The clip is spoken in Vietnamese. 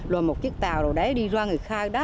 rồi một chiếc tàu rồi đấy đi ra người khai đó